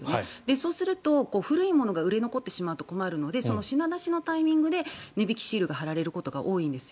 そうすると、古いものが売れ残ってしまうと困るのでその品出しのタイミングで値引きシールが貼られることが多いんですよ。